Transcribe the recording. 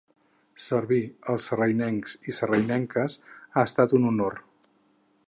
Servir als sarrianencs i sarrianenques ha estat un honor.